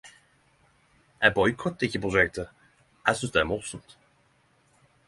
Eg boikotter ikkje prosjektet - eg synest det er morsomt.